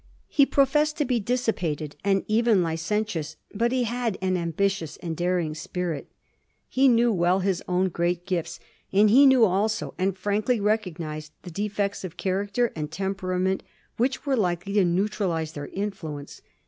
He professed to be dissipated and even li centious, but he had an ambitious and a daring spirit. He well knew his own great gifts, and he knew also and frankly recognized the defects of character and tempera ment which were likely to neutralize their influence.